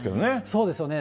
そうですよね。